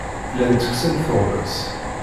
Llan ttekksen-d tuɣmas.